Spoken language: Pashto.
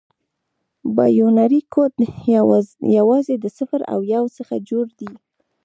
بایونري کوډ یوازې د صفر او یو څخه جوړ دی.